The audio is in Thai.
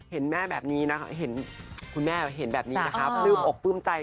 เห็นแม่แบบนี้นะครับหรือคุณแม่เห็นแบบนี้นะครับ